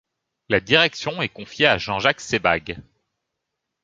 La direction est confiée à Jean Jacques Sebbag.